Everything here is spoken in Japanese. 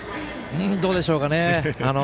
どうでしょうかね。